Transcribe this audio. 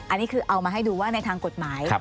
อันนี้คือเอามาให้ดูว่าในทางกฎหมาย